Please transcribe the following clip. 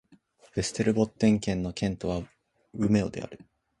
ヴェステルボッテン県の県都はウメオである